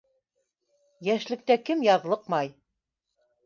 Йәшлектә кем яҙлыҡмай?